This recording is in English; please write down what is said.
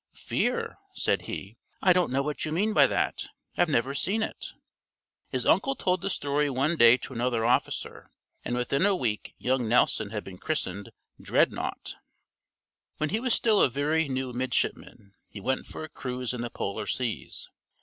"Fear," said he, "I don't know what you mean by that. I've never seen it." His uncle told the story one day to another officer, and within a week young Nelson had been christened "Dreadnaught." When he was still a very new midshipman he went for a cruise in the polar seas.